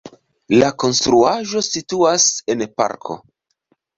La konstruaĵo situas en parko.